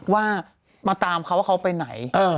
ว่ามาตามเขาว่าเขาไปไหน